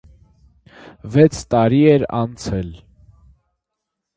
Վեց տարի էր անցել: